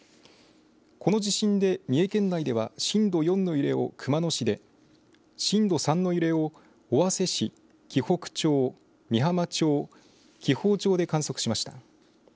この地震で三重県内では震度４の揺れを熊野市で震度３の揺れを尾鷲市紀北町、御浜町紀宝町で観測しました。